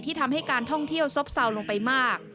ทำให้การท่องเที่ยวซบเซาลงไปมาก